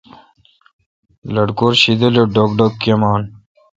لٹکور شیدل اؘ ڈوگ دوگ کیمان۔